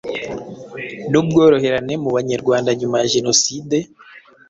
nubworoherane mu Banyarwanda nyuma ya jenoside –